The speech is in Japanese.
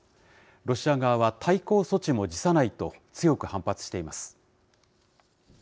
ロシア側は対抗措置も辞さないと、強く反発しています。